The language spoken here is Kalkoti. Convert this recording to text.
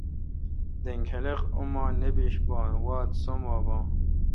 دینگ خلق اماں نہ بیش باں وات سم وا باں